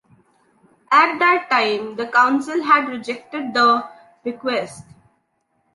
At that time the Council had rejected the request.